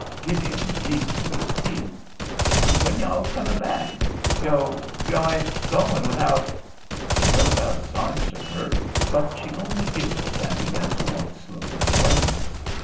Gideon leaped to his feet. "When yo' comin' back? Yo'—yo' ain' goin' without——" He held out his arms to her, but she only giggled and began to walk slowly away.